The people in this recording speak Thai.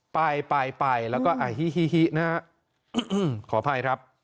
ไปไปไปแล้วก็อ่าฮิฮิฮินะขออภัยครับ